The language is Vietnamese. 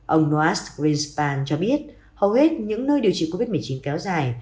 ông noah greenspan cho biết hầu hết những nơi điều trị covid một mươi chín kéo dài